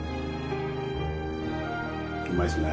うまいですね。